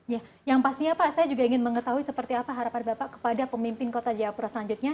ya yang pastinya pak saya juga ingin mengetahui seperti apa harapan bapak kepada pemimpin kota jayapura selanjutnya